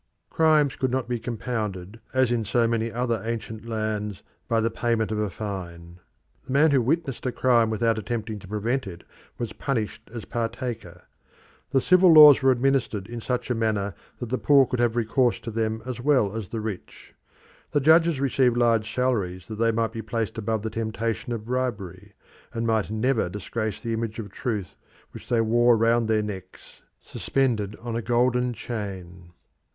Crimes could not be compounded, as in so many other ancient lands, by the payment of a fine. The man who witnessed a crime without attempting to prevent it was punished as partaker. The civil laws were administered in such a manner that the poor could have recourse to them as well as the rich. The judges received large salaries that they might be placed above the temptation of bribery, and might never disgrace the image of Truth which they wore round their necks suspended on a golden chain.